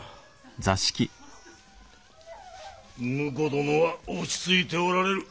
婿殿は落ち着いておられる。